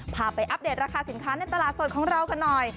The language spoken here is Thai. พาไปอัปเดตราคาสินค้าในตลาดสดของเรากันหน่อย